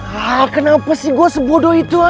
hah kenapa sih gue sebodoh itu